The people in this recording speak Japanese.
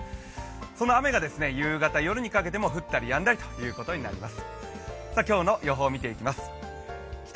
その雨が夕方、夜にかけても降ったりやんだりとなります。